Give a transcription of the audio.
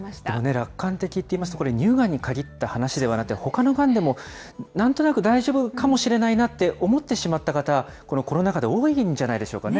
楽観的って言いますとこれ、乳がんに限った話ではなくて、ほかのがんでもなんとなく大丈夫かもしれないなって思ってしまった方、このコロナ禍で多いんじゃないでしょうかね。